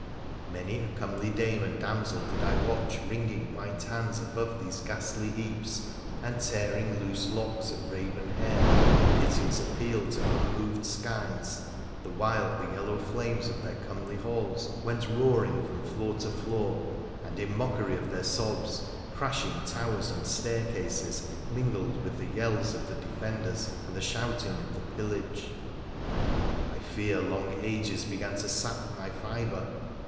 Many a comely dame and damsel did I watch wring ing white hands above these ghastly heaps, and tearing loose PHRA THE PHCENIC1AN 173 locks of raven hair in piteous appeal to unmoved skies, the while the yellow flames of their comely halls went roaring from floor to floor, and in mockery of their sobs, crashing towers and staircases mingled with the yells of the defenders and the shouting of the pillage. I. fear long ages begin to sap my fibre